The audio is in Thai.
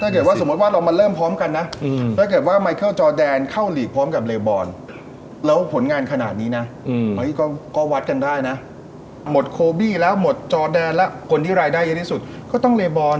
ก็มึงมาถือบอลทำไมอมไว้นาน